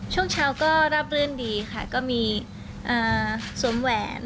ช่วงเช้าก็ราบรื่นดีค่ะก็มีสวมแหวน